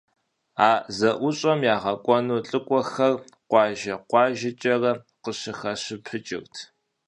А зэӀущӀэм ягъэкӀуэну лӀыкӀуэхэр къуажэ-къуажэкӀэрэ къыщыхащыпыкӀырт.